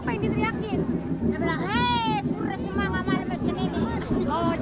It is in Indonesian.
oh jadi dia teriakin hanya semangat saja